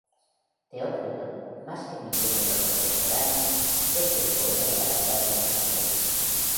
Teócrito, más que ningún otro contemporáneo, es el poeta de la ciudad de Alejandría.